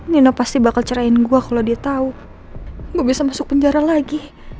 nino pasti bakal cerahin gue kalau dia tahu gue bisa masuk penjara lagi